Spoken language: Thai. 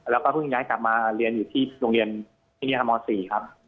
แล้วก็เพิ่งย้ายกลับมาเรียนอยู่ที่โรงเรียนม๔ครับ